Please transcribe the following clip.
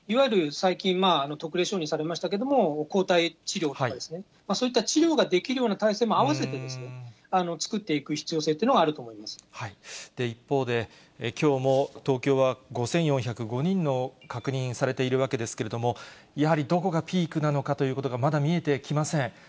最近、特例承認されましたけれども、抗体治療とかですね、そういった治療ができるような体制も併せてですね、作っていく必一方で、きょうも東京は５４０５人の確認されているわけですけれども、やはりどこがピークなのかということがまだ見えてきません。